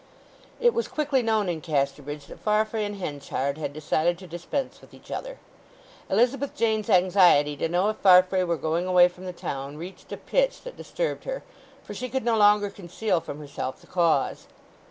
It was quickly known in Casterbridge that Farfrae and Henchard had decided to dispense with each other. Elizabeth Jane's anxiety to know if Farfrae were going away from the town reached a pitch that disturbed her, for she could no longer conceal from herself the cause.